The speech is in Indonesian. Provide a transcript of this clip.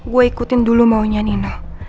gue ikutin dulu maunya nina